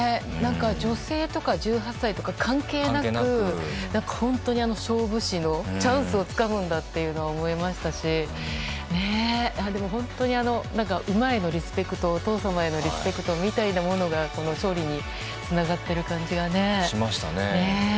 女性とか１８歳とか関係なく本当に勝負師のチャンスをつかむんだというのは思いましたし本当に馬へのリスペクトお父様へのリスペクトが勝利につながっている感じがね。